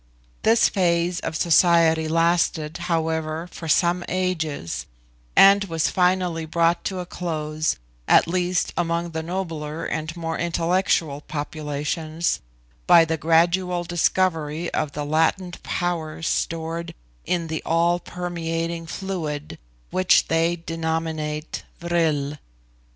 This phase of society lasted, however, for some ages, and was finally brought to a close, at least among the nobler and more intellectual populations, by the gradual discovery of the latent powers stored in the all permeating fluid which they denominate Vril.